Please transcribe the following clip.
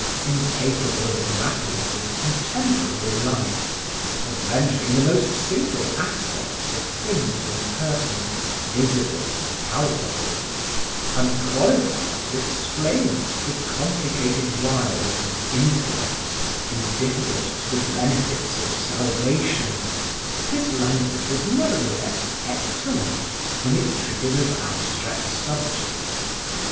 Incapable of grappling with contemporary life, of rendering the most simple aspects of things and persons visible and palpable, unqualified to explain the complicated wiles of intellects indifferent to the benefits of salvation, this language was nevertheless excellent when it treated of abstract subjects.